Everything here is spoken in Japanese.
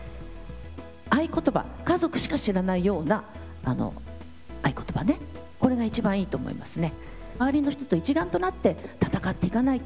合言葉、家族しか知らないような合言葉、これがいちばんいいと思いますね。